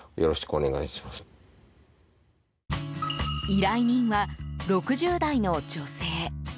依頼人は６０代の女性。